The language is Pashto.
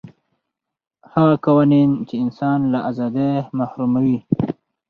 هغه قوانین چې انسان له ازادۍ محروموي.